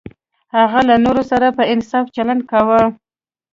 هغه له نورو سره په انصاف چلند کاوه.